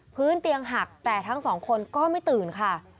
พื้นเตียงหักแต่ทั้งสองคนก็ไม่ตื่นค่ะ